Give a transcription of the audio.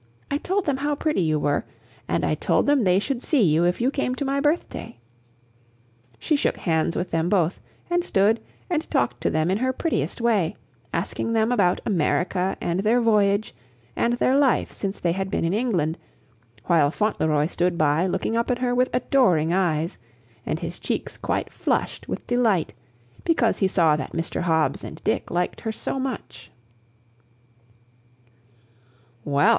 I told them how pretty you were, and I told them they should see you if you came to my birthday," she shook hands with them both, and stood and talked to them in her prettiest way, asking them about America and their voyage and their life since they had been in England; while Fauntleroy stood by, looking up at her with adoring eyes, and his cheeks quite flushed with delight because he saw that Mr. Hobbs and Dick liked her so much.